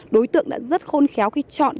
đối tượng đã rất khôn khéo khi chọn